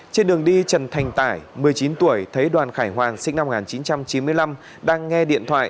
trên đường đi trần thành tải một mươi chín tuổi thấy đoàn khải hoàn sinh năm một nghìn chín trăm chín mươi năm đang nghe điện thoại